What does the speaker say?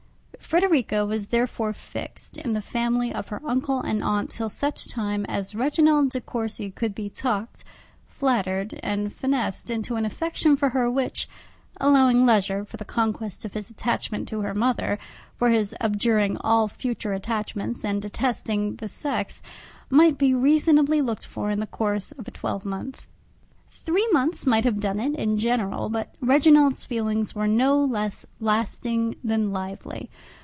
Frederica was therefore fixed in the family of her uncle and aunt till such time as Reginald De Courcy could be talked, flattered, and finessed into an affection for her which, allowing leisure for the conquest of his attachment to her mother, for his abjuring all future attachments, and detesting the sex, might be reasonably looked for in the course of a twelvemonth. Three months might have done it in general, but Reginald's feelings were no less lasting than lively.